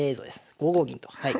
５五銀とはい。